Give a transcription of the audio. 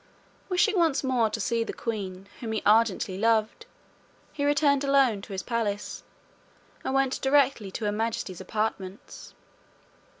Wishing once more to see the queen, whom he ardently loved, he returned alone to his palace, and went directly to her majesty's apartments.